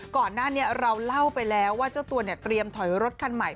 ก่อนหน้านี้เราเล่าไปแล้วว่าเจ้าตัวเนี่ยเตรียมถอยรถคันใหม่